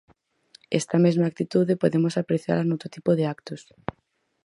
Esta mesma actitude podemos apreciala noutro tipo de actos.